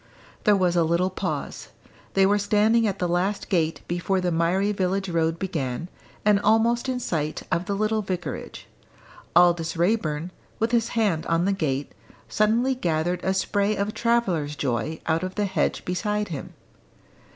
There was a little pause. They were standing at the last gate before the miry village road began, and almost in sight of the little vicarage. Aldous Raeburn, with his hand on the gate, suddenly gathered a spray of travellers' joy out of the hedge beside him.